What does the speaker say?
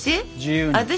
私？